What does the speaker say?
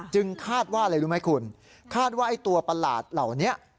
คาดว่าอะไรรู้ไหมคุณคาดว่าไอ้ตัวประหลาดเหล่านี้